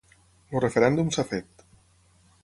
El referèndum s’ha fet.